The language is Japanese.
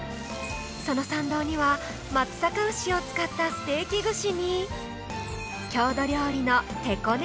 その参道には松阪牛を使ったステーキ串に郷土料理の手こね